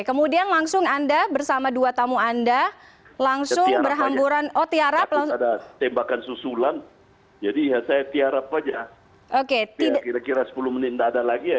kedua anggota dpr tersebut juga tidak mengalami luka